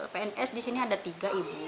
pns di sini ada tiga ibu